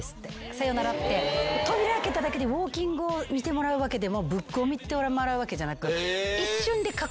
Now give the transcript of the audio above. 「さよなら」って扉開けただけでウオーキングを見てもらうわけでもブックを見てもらうわけじゃなく。